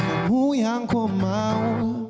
kamu yang ku mau